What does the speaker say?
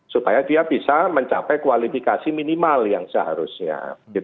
supaya dia bisa mencapai kualifikasi minimal yang seharusnya